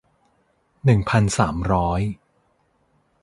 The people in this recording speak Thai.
หนึ่งพันสามร้อย